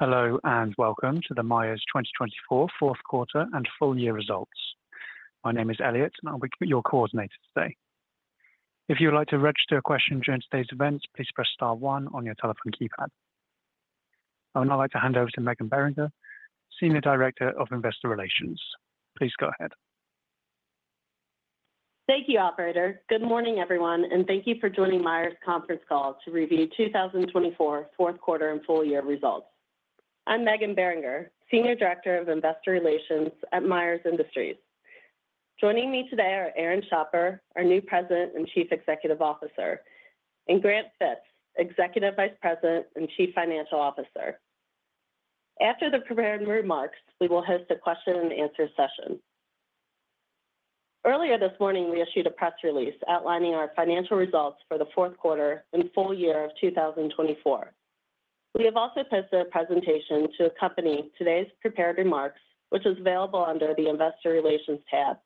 Hello, and welcome to the Myers 2024 Fourth Quarter and Full Year Results. My name is Elliot, and I'll be your coordinator today. If you would like to register a question during today's events, please press star one on your telephone keypad. I would now like to hand over to Meghan Beringer, Senior Director of Investor Relations. Please go ahead. Thank you, Operator. Good morning, everyone, and thank you for joining Myers Conference Call to review 2024 Fourth Quarter and Full Year Results. I'm Meghan Beringer, Senior Director of Investor Relations at Myers Industries. Joining me today are Aaron Schapper, our new President and Chief Executive Officer, and Grant Fitz, Executive Vice President and Chief Financial Officer. After the prepared remarks, we will host a question-and-answer session. Earlier this morning, we issued a press release outlining our financial results for the fourth quarter and full year of 2024. We have also posted a presentation to accompany today's prepared remarks, which is available under the Investor Relations tab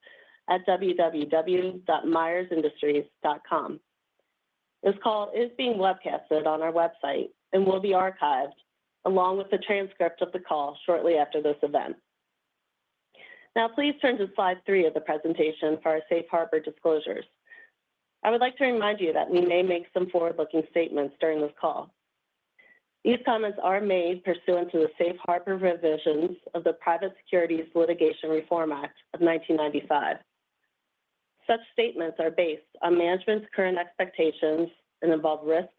at www.myersindustries.com. This call is being webcasted on our website and will be archived along with the transcript of the call shortly after this event. Now, please turn to slide three of the presentation for our safe harbor disclosures. I would like to remind you that we may make some forward-looking statements during this call. These comments are made pursuant to the safe harbor revisions of the Private Securities Litigation Reform Act of 1995. Such statements are based on management's current expectations and involve risks,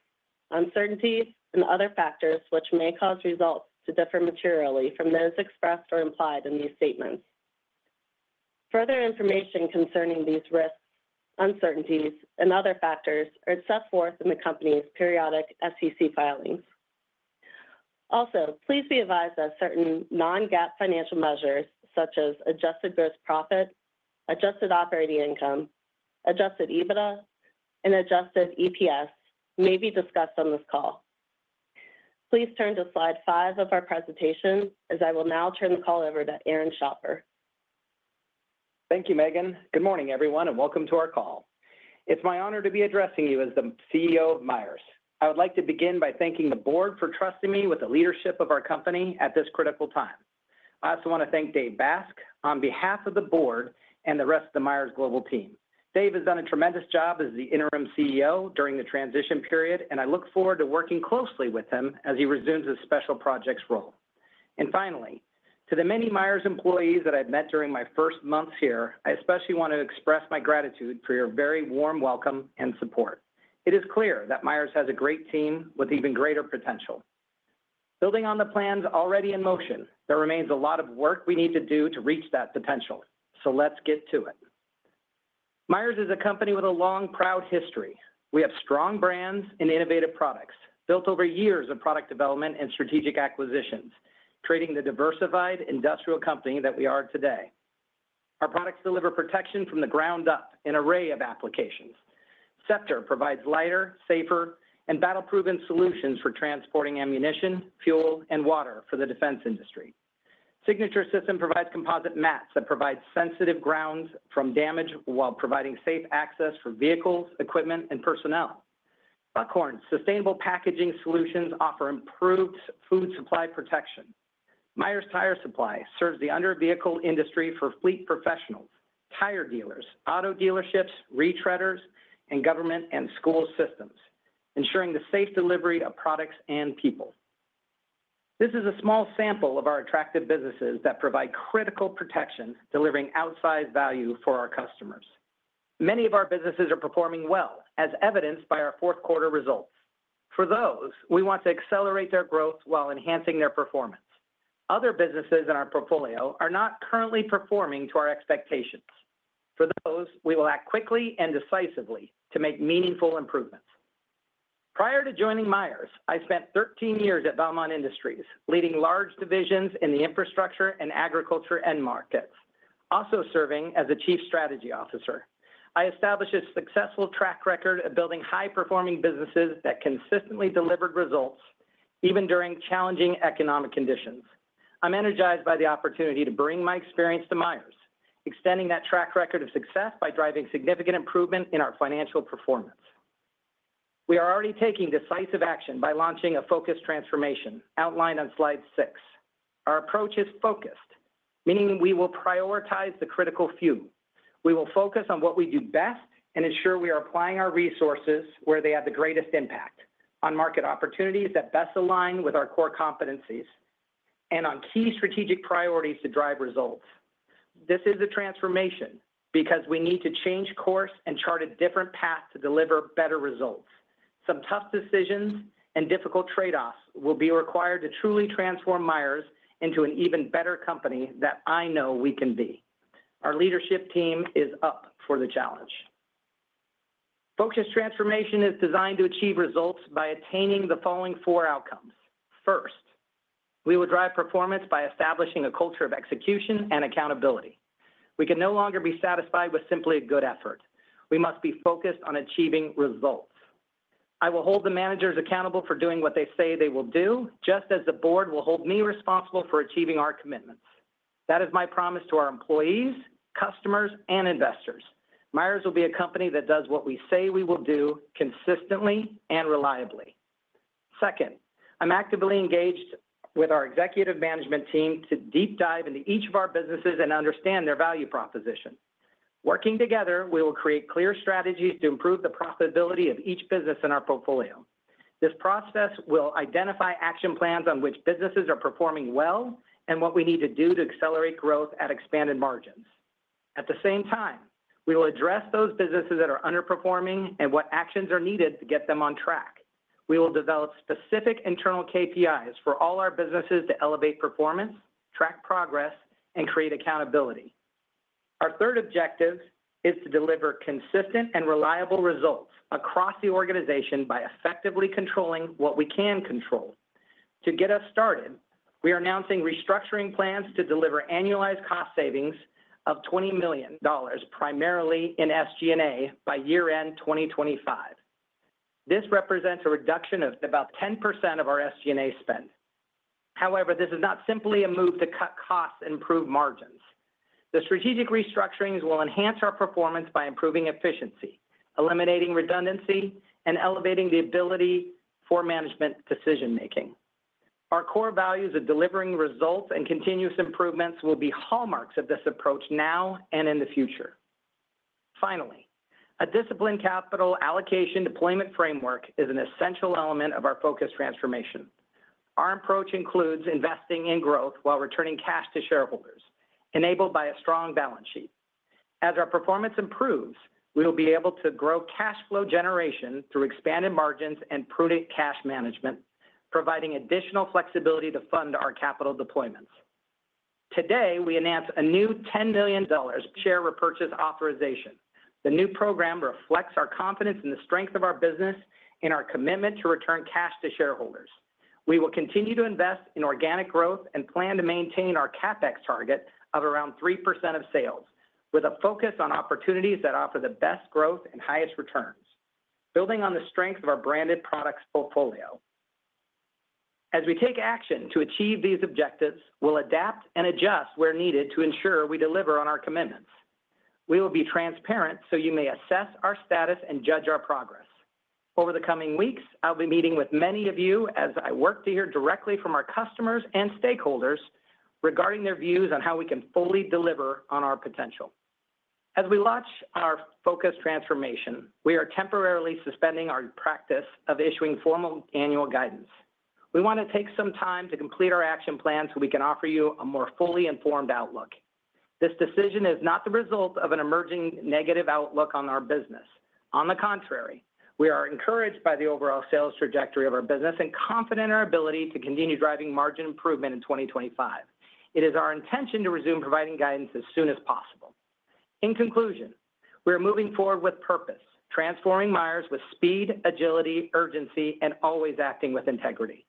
uncertainties, and other factors which may cause results to differ materially from those expressed or implied in these statements. Further information concerning these risks, uncertainties, and other factors are set forth in the company's periodic SEC filings. Also, please be advised that certain non-GAAP financial measures, such as adjusted gross profit, adjusted operating income, adjusted EBITDA, and adjusted EPS, may be discussed on this call. Please turn to slide five of our presentation, as I will now turn the call over to Aaron Schapper. Thank you, Meghan. Good morning, everyone, and welcome to our call. It's my honor to be addressing you as the CEO of Myers. I would like to begin by thanking the board for trusting me with the leadership of our company at this critical time. I also want to thank Dave Basque on behalf of the board and the rest of the Myers Global team. Dave has done a tremendous job as the interim CEO during the transition period, and I look forward to working closely with him as he resumes his special projects role. Finally, to the many Myers employees that I've met during my first month here, I especially want to express my gratitude for your very warm welcome and support. It is clear that Myers has a great team with even greater potential. Building on the plans already in motion, there remains a lot of work we need to do to reach that potential, so let's get to it. Myers is a company with a long, proud history. We have strong brands and innovative products built over years of product development and strategic acquisitions, creating the diversified industrial company that we are today. Our products deliver protection from the ground up in an array of applications. Scepter provides lighter, safer, and battle-proven solutions for transporting ammunition, fuel, and water for the defense industry. Signature Systems provides composite mats that protect sensitive grounds from damage while providing safe access for vehicles, equipment, and personnel. Buckhorn's sustainable packaging solutions offer improved food supply protection. Myers Tire Supply serves the under-vehicle industry for fleet professionals, tire dealers, auto dealerships, re-traders, and government and school systems, ensuring the safe delivery of products and people. This is a small sample of our attractive businesses that provide critical protection, delivering outsized value for our customers. Many of our businesses are performing well, as evidenced by our fourth quarter results. For those, we want to accelerate their growth while enhancing their performance. Other businesses in our portfolio are not currently performing to our expectations. For those, we will act quickly and decisively to make meaningful improvements. Prior to joining Myers, I spent 13 years at Valmont Industries, leading large divisions in the infrastructure and agriculture end markets, also serving as the Chief Strategy Officer. I established a successful track record of building high-performing businesses that consistently delivered results, even during challenging economic conditions. I'm energized by the opportunity to bring my experience to Myers, extending that track record of success by driving significant improvement in our financial performance. We are already taking decisive action by launching a focused transformation outlined on slide six. Our approach is focused, meaning we will prioritize the critical few. We will focus on what we do best and ensure we are applying our resources where they have the greatest impact, on market opportunities that best align with our core competencies, and on key strategic priorities to drive results. This is a transformation because we need to change course and chart a different path to deliver better results. Some tough decisions and difficult trade-offs will be required to truly transform Myers into an even better company that I know we can be. Our leadership team is up for the challenge. Focused transformation is designed to achieve results by attaining the following four outcomes. First, we will drive performance by establishing a culture of execution and accountability. We can no longer be satisfied with simply a good effort. We must be focused on achieving results. I will hold the managers accountable for doing what they say they will do, just as the board will hold me responsible for achieving our commitments. That is my promise to our employees, customers, and investors. Myers will be a company that does what we say we will do consistently and reliably. Second, I'm actively engaged with our executive management team to deep dive into each of our businesses and understand their value proposition. Working together, we will create clear strategies to improve the profitability of each business in our portfolio. This process will identify action plans on which businesses are performing well and what we need to do to accelerate growth at expanded margins. At the same time, we will address those businesses that are underperforming and what actions are needed to get them on track. We will develop specific internal KPIs for all our businesses to elevate performance, track progress, and create accountability. Our third objective is to deliver consistent and reliable results across the organization by effectively controlling what we can control. To get us started, we are announcing restructuring plans to deliver annualized cost savings of $20 million, primarily in SG&A, by year-end 2025. This represents a reduction of about 10% of our SG&A spend. However, this is not simply a move to cut costs and improve margins. The strategic restructurings will enhance our performance by improving efficiency, eliminating redundancy, and elevating the ability for management decision-making. Our core values of delivering results and continuous improvements will be hallmarks of this approach now and in the future. Finally, a disciplined capital allocation deployment framework is an essential element of our focused transformation. Our approach includes investing in growth while returning cash to shareholders, enabled by a strong balance sheet. As our performance improves, we will be able to grow cash flow generation through expanded margins and prudent cash management, providing additional flexibility to fund our capital deployments. Today, we announced a new $10 million share repurchase authorization. The new program reflects our confidence in the strength of our business and our commitment to return cash to shareholders. We will continue to invest in organic growth and plan to maintain our CapEx target of around 3% of sales, with a focus on opportunities that offer the best growth and highest returns, building on the strength of our branded products portfolio. As we take action to achieve these objectives, we'll adapt and adjust where needed to ensure we deliver on our commitments. We will be transparent so you may assess our status and judge our progress. Over the coming weeks, I'll be meeting with many of you as I work to hear directly from our customers and stakeholders regarding their views on how we can fully deliver on our potential. As we launch our focused transformation, we are temporarily suspending our practice of issuing formal annual guidance. We want to take some time to complete our action plan so we can offer you a more fully informed outlook. This decision is not the result of an emerging negative outlook on our business. On the contrary, we are encouraged by the overall sales trajectory of our business and confident in our ability to continue driving margin improvement in 2025. It is our intention to resume providing guidance as soon as possible. In conclusion, we are moving forward with purpose, transforming Myers with speed, agility, urgency, and always acting with integrity.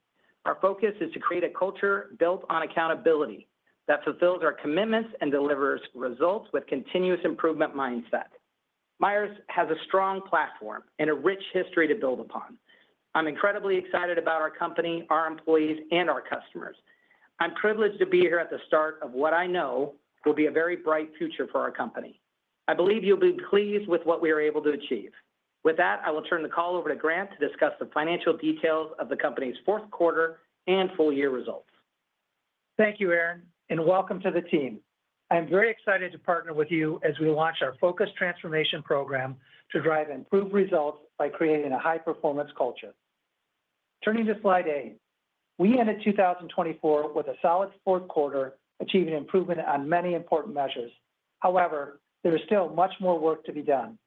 Our focus is to create a culture built on accountability that fulfills our commitments and delivers results with a continuous improvement mindset. Myers has a strong platform and a rich history to build upon. I'm incredibly excited about our company, our employees, and our customers. I'm privileged to be here at the start of what I know will be a very bright future for our company. I believe you'll be pleased with what we are able to achieve. With that, I will turn the call over to Grant to discuss the financial details of the company's fourth quarter and full-year results. Thank you, Aaron, and welcome to the team. I'm very excited to partner with you as we launch our Focused Transformation Program to drive improved results by creating a high-performance culture. Turning to slide eight, we ended 2024 with a solid fourth quarter, achieving improvement on many important measures. However, there is still much more work to be done.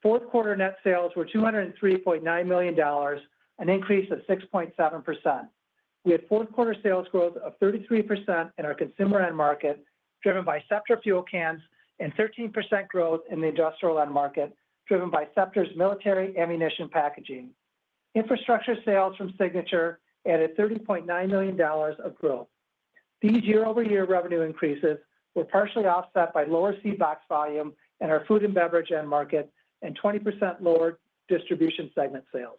Fourth quarter net sales were $203.9 million, an increase of 6.7%. We had fourth quarter sales growth of 33% in our consumer end market, driven by Scepter fuel cans, and 13% growth in the industrial end market, driven by Scepter's military ammunition packaging. Infrastructure sales from Signature added $30.9 million of growth. These year-over-year revenue increases were partially offset by lower seed box volume in our Food and Beverage end market and 20% lower distribution segment sales.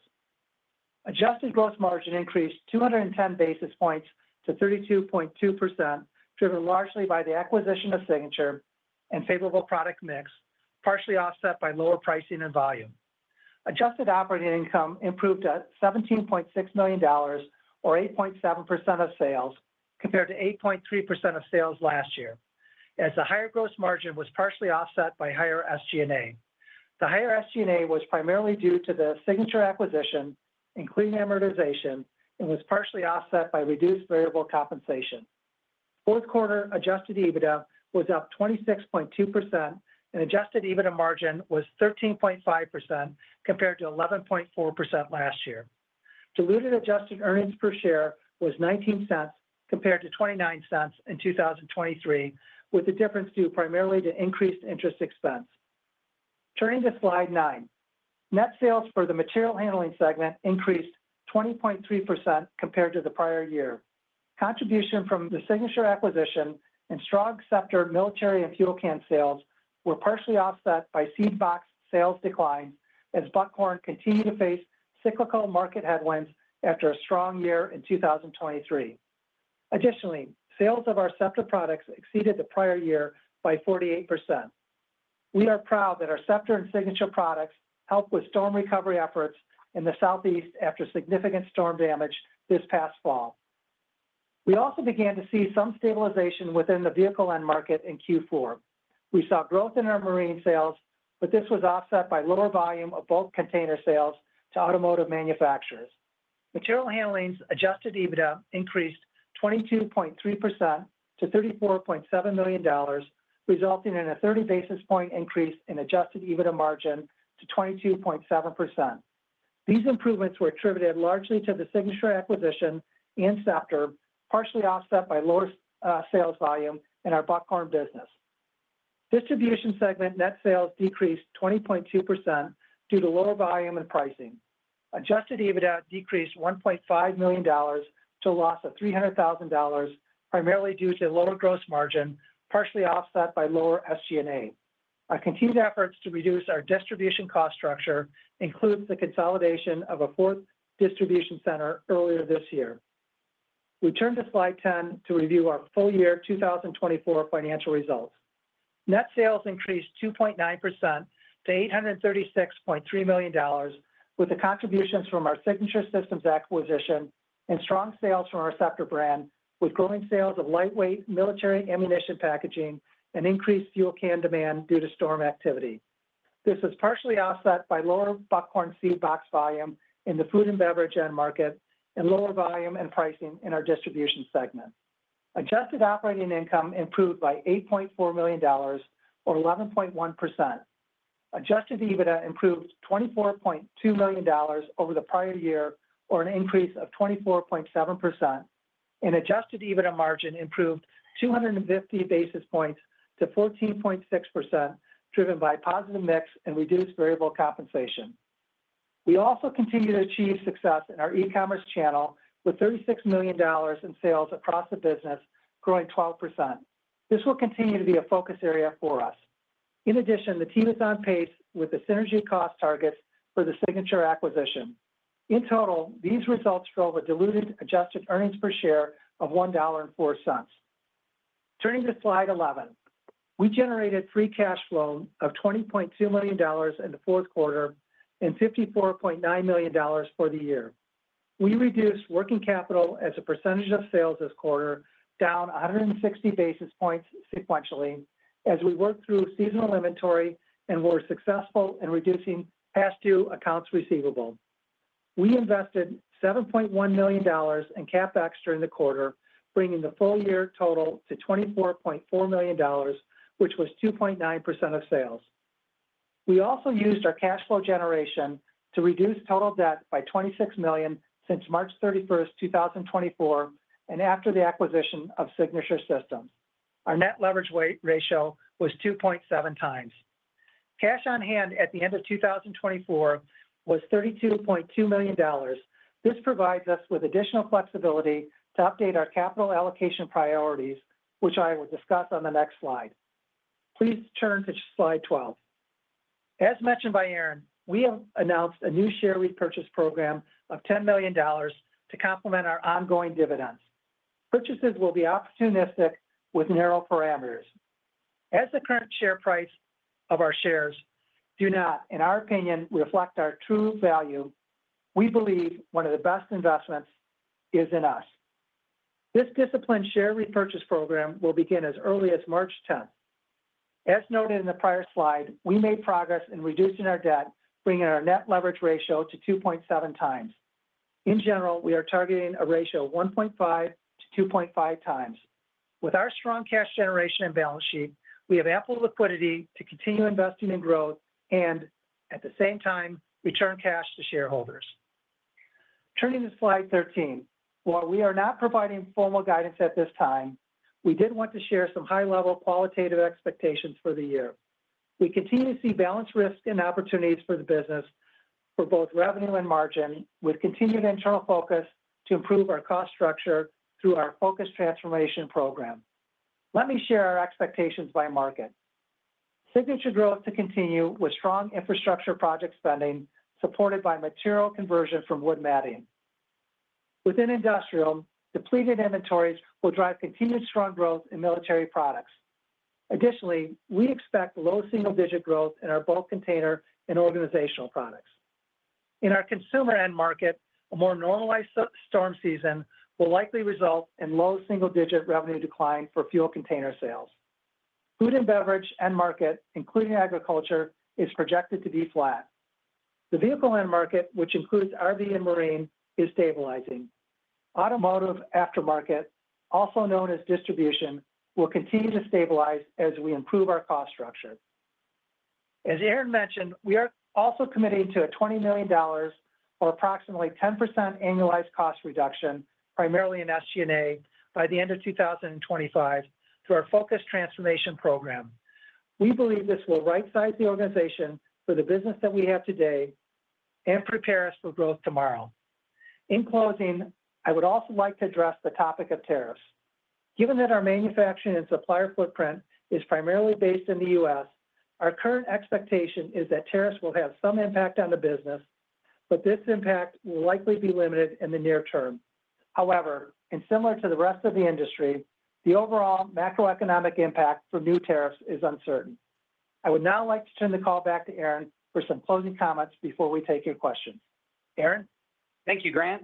Adjusted gross margin increased 210 basis points to 32.2%, driven largely by the acquisition of Signature and favorable product mix, partially offset by lower pricing and volume. Adjusted operating income improved at $17.6 million, or 8.7% of sales, compared to 8.3% of sales last year, as the higher gross margin was partially offset by higher SG&A. The higher SG&A was primarily due to the Signature acquisition, including amortization, and was partially offset by reduced variable compensation. Fourth quarter adjusted EBITDA was up 26.2%, and adjusted EBITDA margin was 13.5% compared to 11.4% last year. Diluted adjusted earnings per share was $0.19 compared to $0.29 in 2023, with the difference due primarily to increased interest expense. Turning to slide nine, net sales for the Material Handling segment increased 20.3% compared to the prior year. Contribution from the Signature acquisition and strong Scepter military and fuel can sales were partially offset by seed box sales declines as Buckhorn continued to face cyclical market headwinds after a strong year in 2023. Additionally, sales of our Scepter products exceeded the prior year by 48%. We are proud that our Scepter and Signature products helped with storm recovery efforts in the Southeast after significant storm damage this past fall. We also began to see some stabilization within the vehicle end market in Q4. We saw growth in our marine sales, but this was offset by lower volume of bulk container sales to automotive manufacturers. Material handling's adjusted EBITDA increased 22.3% to $34.7 million, resulting in a 30 basis point increase in adjusted EBITDA margin to 22.7%. These improvements were attributed largely to the Signature acquisition and Scepter, partially offset by lower sales volume in our Buckhorn business. Distribution segment net sales decreased 20.2% due to lower volume and pricing. Adjusted EBITDA decreased $1.5 million to a loss of $300,000, primarily due to lower gross margin, partially offset by lower SG&A. Our continued efforts to reduce our distribution cost structure include the consolidation of a fourth distribution center earlier this year. We turn to slide 10 to review our full year 2024 financial results. Net sales increased 2.9% to $836.3 million, with the contributions from our Signature Systems acquisition and strong sales from our Scepter brand, with growing sales of lightweight military ammunition packaging and increased fuel can demand due to storm activity. This was partially offset by lower Buckhorn seed box volume in the Food and Beverage end market and lower volume and pricing in our distribution segment. Adjusted operating income improved by $8.4 million, or 11.1%. Adjusted EBITDA improved $24.2 million over the prior year, or an increase of 24.7%, and adjusted EBITDA margin improved 250 basis points to 14.6%, driven by positive mix and reduced variable compensation. We also continue to achieve success in our e-commerce channel with $36 million in sales across the business, growing 12%. This will continue to be a focus area for us. In addition, the team is on pace with the synergy cost targets for the Signature acquisition. In total, these results drove a diluted adjusted earnings per share of $1.04. Turning to slide 11, we generated free cash flow of $20.2 million in the fourth quarter and $54.9 million for the year. We reduced working capital as a percentage of sales this quarter, down 160 basis points sequentially, as we worked through seasonal inventory and were successful in reducing past due accounts receivable. We invested $7.1 million in CapEx during the quarter, bringing the full year total to $24.4 million, which was 2.9% of sales. We also used our cash flow generation to reduce total debt by $26 million since March 31st, 2024, and after the acquisition of Signature Systems. Our net leverage ratio was 2.7 times. Cash on hand at the end of 2024 was $32.2 million. This provides us with additional flexibility to update our capital allocation priorities, which I will discuss on the next slide. Please turn to slide 12. As mentioned by Aaron, we have announced a new share repurchase program of $10 million to complement our ongoing dividends. Purchases will be opportunistic with narrow parameters. As the current share price of our shares do not, in our opinion, reflect our true value, we believe one of the best investments is in us. This disciplined share repurchase program will begin as early as March 10. As noted in the prior slide, we made progress in reducing our debt, bringing our net leverage ratio to 2.7 times. In general, we are targeting a ratio of 1.5-2.5 times. With our strong cash generation and balance sheet, we have ample liquidity to continue investing in growth and, at the same time, return cash to shareholders. Turning to slide 13, while we are not providing formal guidance at this time, we did want to share some high-level qualitative expectations for the year. We continue to see balanced risk and opportunities for the business for both revenue and margin, with continued internal focus to improve our cost structure through our focused transformation program. Let me share our expectations by market. Signature growth to continue with strong infrastructure project spending supported by material conversion from wood matting. Within industrial, depleted inventories will drive continued strong growth in military products. Additionally, we expect low single-digit growth in our bulk container and organizational products. In our consumer end market, a more normalized storm season will likely result in low single-digit revenue decline for fuel container sales. Food and Beverage end market, including agriculture, is projected to be flat. The vehicle end market, which includes RV and marine, is stabilizing. Automotive aftermarket, also known as distribution, will continue to stabilize as we improve our cost structure. As Aaron mentioned, we are also committing to a $20 million, or approximately 10% annualized cost reduction, primarily in SG&A, by the end of 2025 through our Focused Transformation Program. We believe this will right-size the organization for the business that we have today and prepare us for growth tomorrow. In closing, I would also like to address the topic of tariffs. Given that our manufacturing and supplier footprint is primarily based in the U.S., our current expectation is that tariffs will have some impact on the business, but this impact will likely be limited in the near term. However, similar to the rest of the industry, the overall macroeconomic impact from new tariffs is uncertain. I would now like to turn the call back to Aaron for some closing comments before we take your questions. Aaron? Thank you, Grant.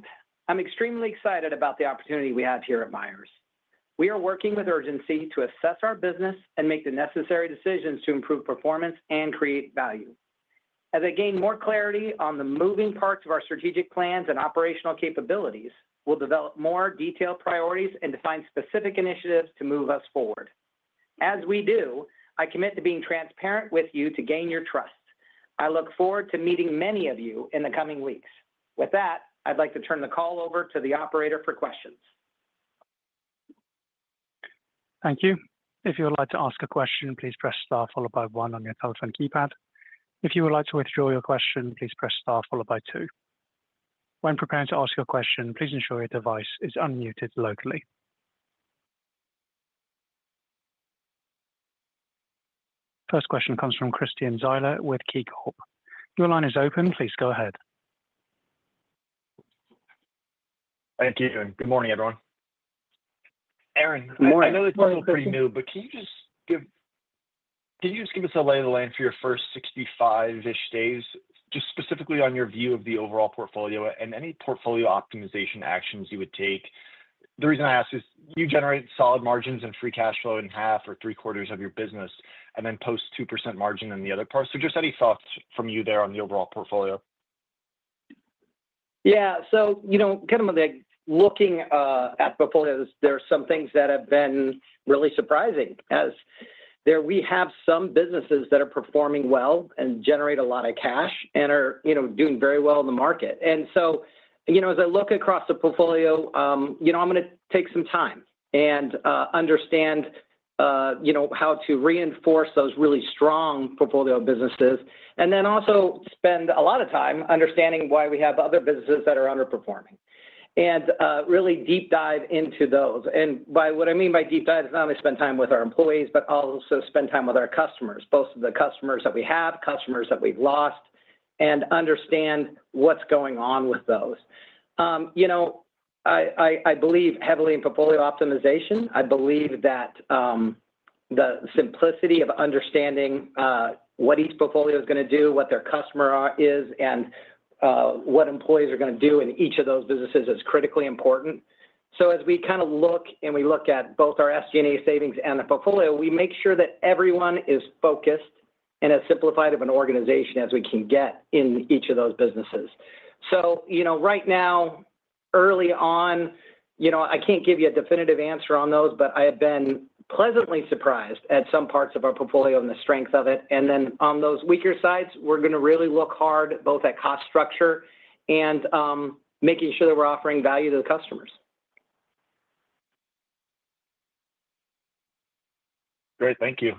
I'm extremely excited about the opportunity we have here at Myers. We are working with urgency to assess our business and make the necessary decisions to improve performance and create value. As I gain more clarity on the moving parts of our strategic plans and operational capabilities, we'll develop more detailed priorities and define specific initiatives to move us forward. As we do, I commit to being transparent with you to gain your trust. I look forward to meeting many of you in the coming weeks. With that, I'd like to turn the call over to the operator for questions. Thank you. If you would like to ask a question, please press star followed by one on your telephone keypad. If you would like to withdraw your question, please press star followed by two. When preparing to ask your question, please ensure your device is unmuted locally. First question comes from Christian Zyla with KeyCorp. Your line is open. Please go ahead. Thank you. Good morning, everyone. Aaron, I know it's still pretty new, but can you just give us a lay of the land for your first 65-ish days, just specifically on your view of the overall portfolio and any portfolio optimization actions you would take? The reason I ask is you generate solid margins and free cash flow in half or three quarters of your business and then post 2% margin in the other part. Just any thoughts from you there on the overall portfolio? Yeah. Kind of looking at portfolios, there are some things that have been really surprising as we have some businesses that are performing well and generate a lot of cash and are doing very well in the market. As I look across the portfolio, I'm going to take some time and understand how to reinforce those really strong portfolio businesses and then also spend a lot of time understanding why we have other businesses that are underperforming and really deep dive into those. By what I mean by deep dive, it's not only spend time with our employees, but also spend time with our customers, both the customers that we have, customers that we've lost, and understand what's going on with those. I believe heavily in portfolio optimization. I believe that the simplicity of understanding what each portfolio is going to do, what their customer is, and what employees are going to do in each of those businesses is critically important. As we kind of look and we look at both our SG&A savings and the portfolio, we make sure that everyone is focused and as simplified of an organization as we can get in each of those businesses. Right now, early on, I can't give you a definitive answer on those, but I have been pleasantly surprised at some parts of our portfolio and the strength of it. On those weaker sides, we're going to really look hard both at cost structure and making sure that we're offering value to the customers. Great. Thank you.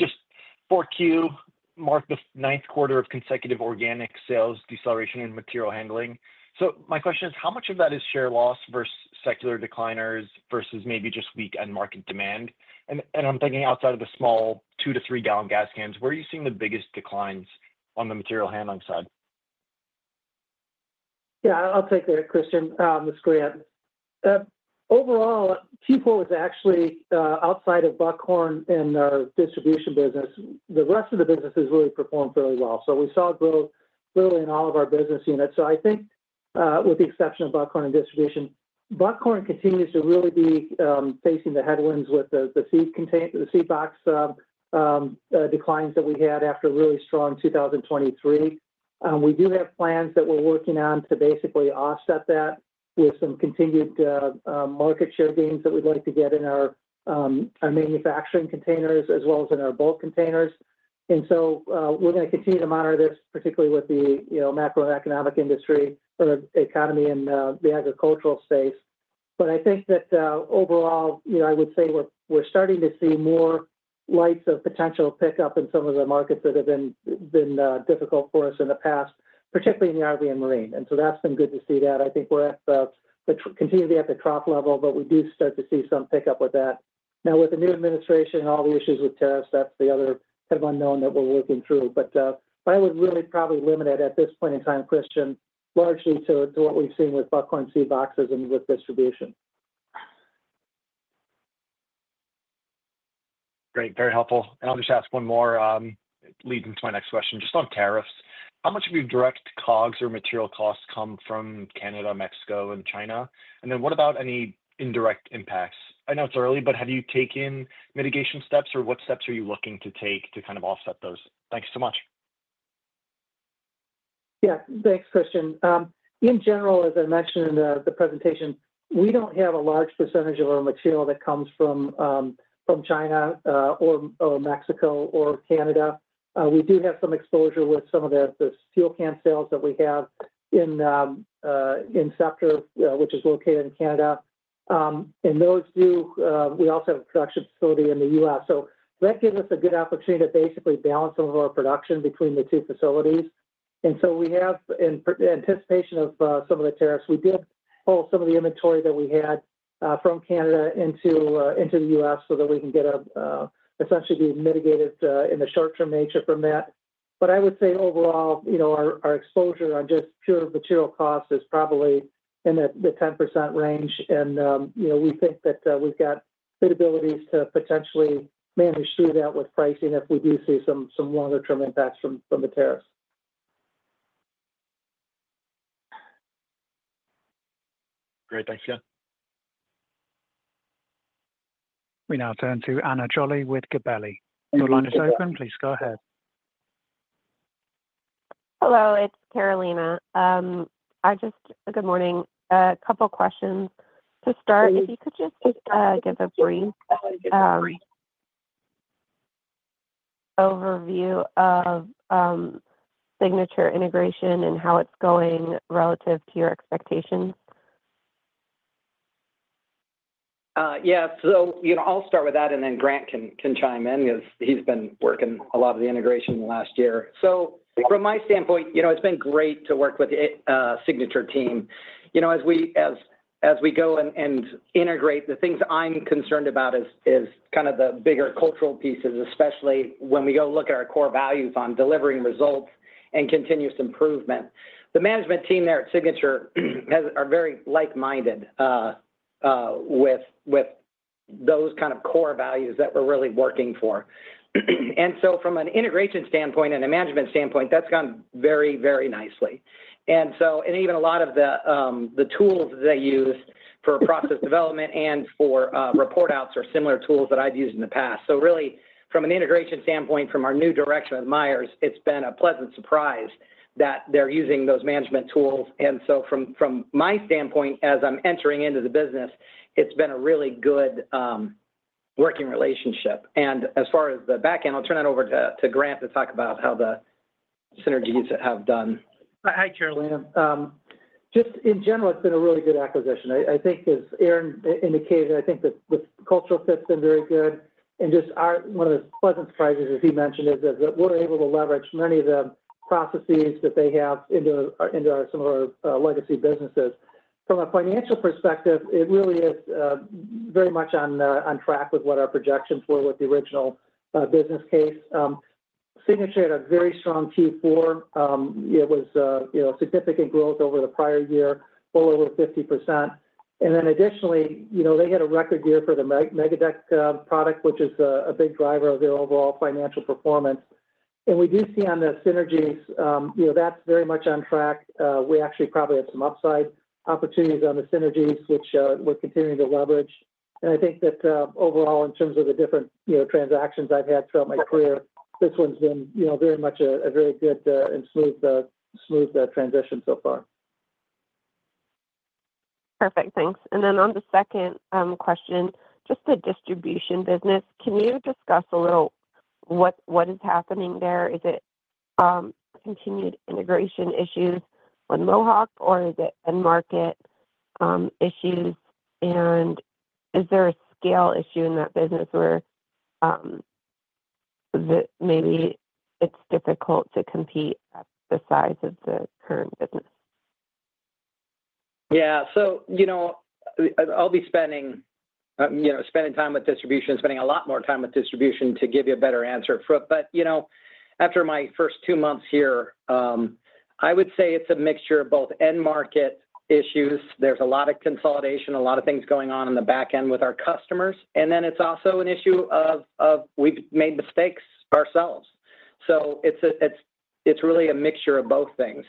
Just 4Q, mark the ninth quarter of consecutive organic sales deceleration in material handling. My question is, how much of that is share loss versus secular decliners versus maybe just weak end market demand? I am thinking outside of the small two to three-gallon gas cans, where are you seeing the biggest declines on the material handling side? Yeah, I'll take that, Christian, Ms. Grant. Overall, Q4 was actually outside of Buckhorn and our distribution business. The rest of the business has really performed fairly well. We saw growth literally in all of our business units. I think with the exception of Buckhorn and Distribution, Buckhorn continues to really be facing the headwinds with the seed box declines that we had after a really strong 2023. We do have plans that we're working on to basically offset that with some continued market share gains that we'd like to get in our manufacturing containers as well as in our bulk containers. We are going to continue to monitor this, particularly with the macroeconomic industry or economy in the agricultural space. I think that overall, I would say we're starting to see more lights of potential pickup in some of the markets that have been difficult for us in the past, particularly in the RV and marine. That's been good to see. I think we're continuing to be at the trough level, but we do start to see some pickup with that. Now, with the new administration and all the issues with tariffs, that's the other kind of unknown that we're working through. I would really probably limit it at this point in time, Christian, largely to what we've seen with Buckhorn seed boxes and with distribution. Great. Very helpful. I'll just ask one more leading to my next question. Just on tariffs, how much of your direct COGS or material costs come from Canada, Mexico, and China? What about any indirect impacts? I know it's early, but have you taken mitigation steps or what steps are you looking to take to kind of offset those? Thank you so much. Yeah. Thanks, Christian. In general, as I mentioned in the presentation, we don't have a large percentage of our material that comes from China or Mexico or Canada. We do have some exposure with some of the fuel can sales that we have in Scepter, which is located in Canada. We also have a production facility in the U.S. That gives us a good opportunity to basically balance some of our production between the two facilities. We have, in anticipation of some of the tariffs, pulled some of the inventory that we had from Canada into the U.S. so that we can essentially be mitigated in the short-term nature from that. I would say overall, our exposure on just pure material cost is probably in the 10% range. We think that we've got good abilities to potentially manage through that with pricing if we do see some longer-term impacts from the tariffs. Great. Thanks again. We now turn to Anna Jolly with Gabelli. Your line is open. Please go ahead. Hello. It's Carolina. Good morning. A couple of questions. To start, if you could just give a brief overview of Signature Integration and how it's going relative to your expectations. Yeah. I'll start with that, and then Grant can chime in because he's been working a lot of the integration the last year. From my standpoint, it's been great to work with the Signature Team. As we go and integrate, the things I'm concerned about is kind of the bigger cultural pieces, especially when we go look at our core values on delivering results and continuous improvement. The management team there at Signature are very like-minded with those kind of core values that we're really working for. From an integration standpoint and a management standpoint, that's gone very, very nicely. Even a lot of the tools that they use for process development and for report outs are similar tools that I've used in the past. Really, from an integration standpoint, from our new direction at Myers, it's been a pleasant surprise that they're using those management tools. From my standpoint, as I'm entering into the business, it's been a really good working relationship. As far as the back end, I'll turn it over to Grant to talk about how the synergies have done. Hi, Carolina. Just in general, it's been a really good acquisition. I think, as Aaron indicated, I think the cultural fit's been very good. Just one of the pleasant surprises, as he mentioned, is that we're able to leverage many of the processes that they have into our similar legacy businesses. From a financial perspective, it really is very much on track with what our projections were with the original business case. Signature had a very strong Q4. It was significant growth over the prior year, well over 50%. Additionally, they had a record year for the MegaDeck product, which is a big driver of their overall financial performance. We do see on the synergies, that's very much on track. We actually probably have some upside opportunities on the synergies, which we're continuing to leverage. I think that overall, in terms of the different transactions I've had throughout my career, this one's been very much a very good and smooth transition so far. Perfect. Thanks. On the second question, just the distribution business, can you discuss a little what is happening there? Is it continued integration issues with Mohawk, or is it end market issues? Is there a scale issue in that business where maybe it's difficult to compete at the size of the current business? Yeah. I'll be spending time with distribution, spending a lot more time with distribution to give you a better answer. After my first two months here, I would say it's a mixture of both end market issues. There's a lot of consolidation, a lot of things going on in the back end with our customers. It's also an issue of we've made mistakes ourselves. It's really a mixture of both things.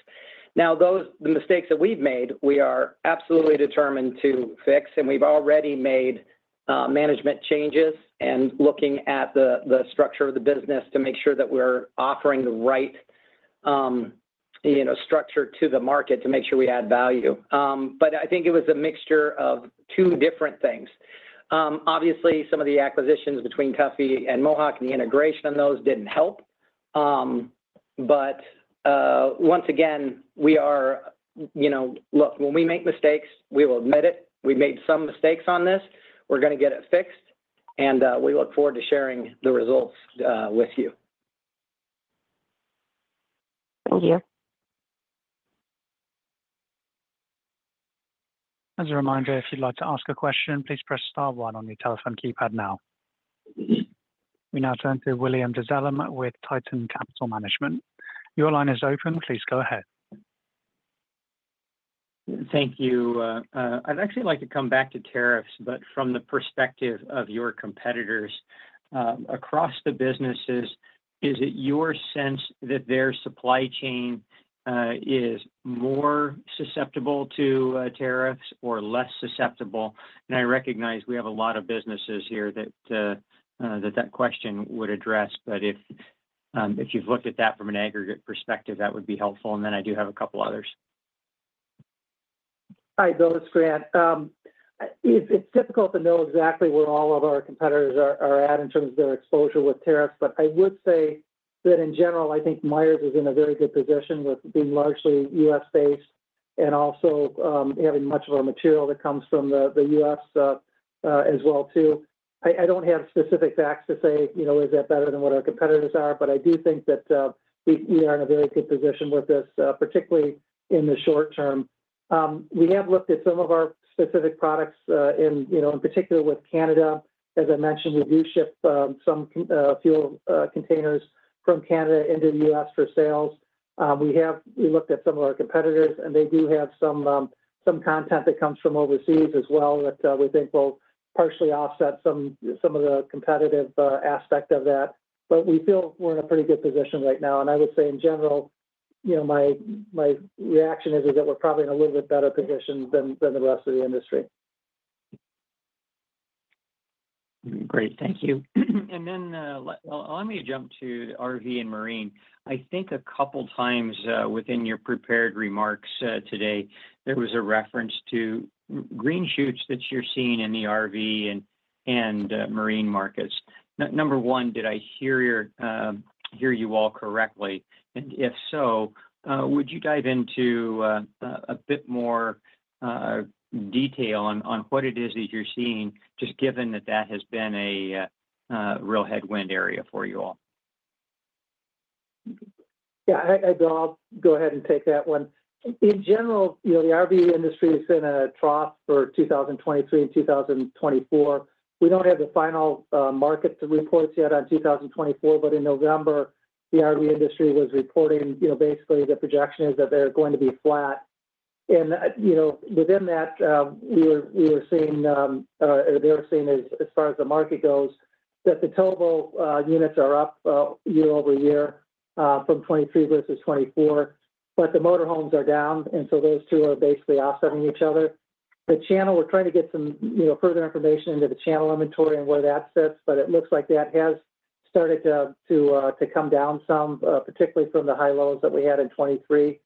The mistakes that we've made, we are absolutely determined to fix. We've already made management changes and are looking at the structure of the business to make sure that we're offering the right structure to the market to make sure we add value. I think it was a mixture of two different things. Obviously, some of the acquisitions between Tuffy and Mohawk and the integration of those didn't help. Once again, we are look, when we make mistakes, we will admit it. We made some mistakes on this. We're going to get it fixed. We look forward to sharing the results with you. Thank you. As a reminder, if you'd like to ask a question, please press star one on your telephone keypad now. We now turn to William Dezellem with Tieton Capital Management. Your line is open. Please go ahead. Thank you. I'd actually like to come back to tariffs, but from the perspective of your competitors across the businesses, is it your sense that their supply chain is more susceptible to tariffs or less susceptible? I recognize we have a lot of businesses here that that question would address, but if you've looked at that from an aggregate perspective, that would be helpful. I do have a couple others. Hi, Bill. It's Grant. It's difficult to know exactly where all of our competitors are at in terms of their exposure with tariffs, but I would say that in general, I think Myers is in a very good position with being largely U.S.-based and also having much of our material that comes from the U.S. as well too. I don't have specific facts to say, is that better than what our competitors are, but I do think that we are in a very good position with this, particularly in the short term. We have looked at some of our specific products in particular with Canada. As I mentioned, we do ship some fuel containers from Canada into the U.S. for sales. We looked at some of our competitors, and they do have some content that comes from overseas as well that we think will partially offset some of the competitive aspect of that. We feel we're in a pretty good position right now. I would say in general, my reaction is that we're probably in a little bit better position than the rest of the industry. Great. Thank you. Let me jump to RV and marine. I think a couple of times within your prepared remarks today, there was a reference to green shoots that you're seeing in the RV and marine markets. Number one, did I hear you all correctly? If so, would you dive into a bit more detail on what it is that you're seeing, just given that that has been a real headwind area for you all? Yeah. I'll go ahead and take that one. In general, the RV industry has been in a trough for 2023 and 2024. We don't have the final market reports yet on 2024, but in November, the RV industry was reporting basically the projection is that they're going to be flat. Within that, we were seeing or they were seeing as far as the market goes that the towable units are up year-over-year from 2023 versus 2024, but the motor homes are down. Those two are basically offsetting each other. The channel, we're trying to get some further information into the channel inventory and where that sits, but it looks like that has started to come down some, particularly from the high lows that we had in 2023.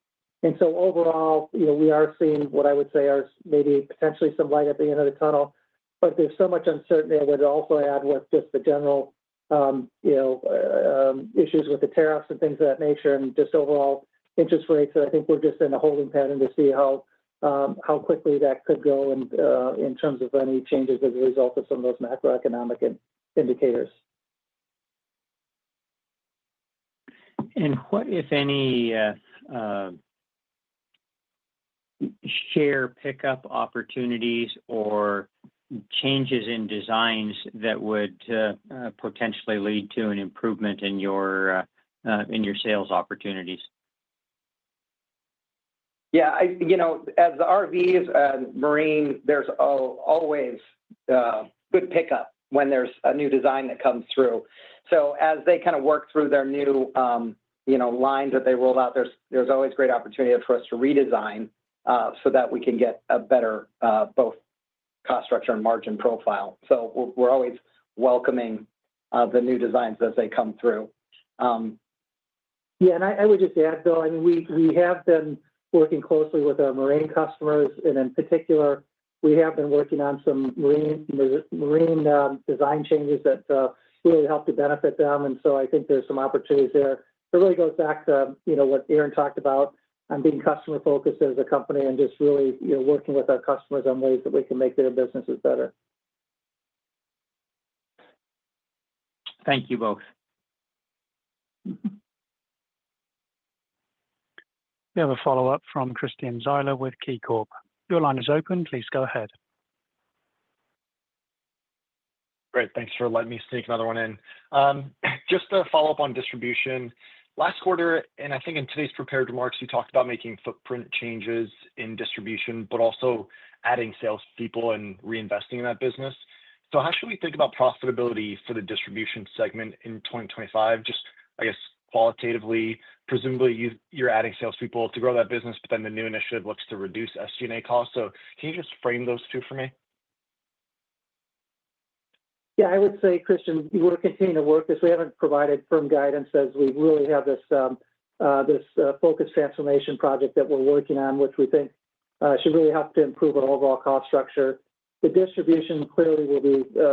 Overall, we are seeing what I would say are maybe potentially some light at the end of the tunnel, but there is so much uncertainty I would also add with just the general issues with the tariffs and things of that nature and just overall interest rates. I think we are just in a holding pattern to see how quickly that could go in terms of any changes as a result of some of those macroeconomic indicators. What, if any, share pickup opportunities or changes in designs that would potentially lead to an improvement in your sales opportunities? Yeah. As the RVs and marine, there's always good pickup when there's a new design that comes through. As they kind of work through their new lines that they roll out, there's always great opportunity for us to redesign so that we can get a better both cost structure and margin profile. We're always welcoming the new designs as they come through. Yeah. I would just add, Bill, I mean, we have been working closely with our marine customers. In particular, we have been working on some marine design changes that really help to benefit them. I think there are some opportunities there. It really goes back to what Aaron talked about on being customer-focused as a company and just really working with our customers on ways that we can make their businesses better. Thank you both. We have a follow-up from Christian Zyla with KeyCorp. Your line is open. Please go ahead. Great. Thanks for letting me sneak another one in. Just a follow-up on distribution. Last quarter, and I think in today's prepared remarks, you talked about making footprint changes in distribution, but also adding salespeople and reinvesting in that business. How should we think about profitability for the distribution segment in 2025? Just, I guess, qualitatively, presumably, you're adding salespeople to grow that business, but then the new initiative looks to reduce SG&A costs. Can you just frame those two for me? Yeah. I would say, Christian, we're continuing to work this. We haven't provided firm guidance as we really have this Focus Transformation Project that we're working on, which we think should really help to improve our overall cost structure. The distribution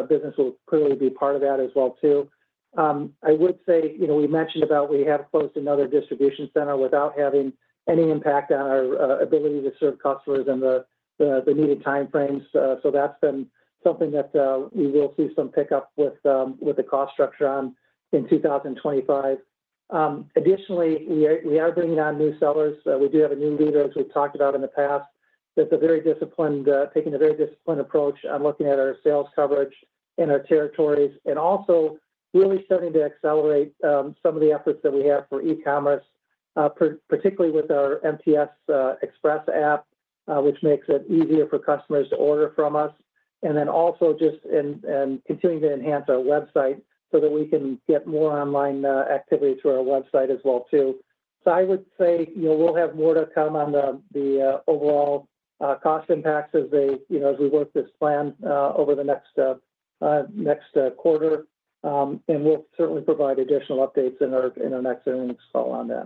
business will clearly be part of that as well too. I would say we mentioned about we have closed another distribution center without having any impact on our ability to serve customers and the needed time frames. That's been something that we will see some pickup with the cost structure on in 2025. Additionally, we are bringing on new sellers. We do have a new leader, as we've talked about in the past, that's taking a very disciplined approach on looking at our sales coverage and our territories and also really starting to accelerate some of the efforts that we have for e-commerce, particularly with our MTS Xpress app, which makes it easier for customers to order from us. Also, just continuing to enhance our website so that we can get more online activity through our website as well too. I would say we'll have more to come on the overall cost impacts as we work this plan over the next quarter. We'll certainly provide additional updates in our next earnings call on that.